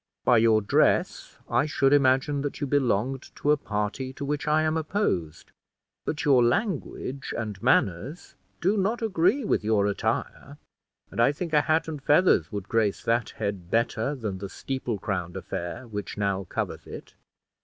By your dress I should imagine that you belonged to a party to which I am opposed; but your language and manners do not agree with your attire; and I think a hat and feathers would grace that head better than the steeple crowned affair which now covers it.